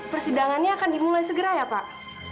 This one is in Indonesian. persidangannya akan dimulai segera ya pak